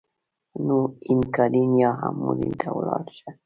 نو اینګادین یا هم مورین ته ولاړ شه.